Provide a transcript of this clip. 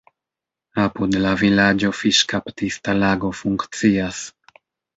Apud la vilaĝo fiŝkaptista lago funkcias.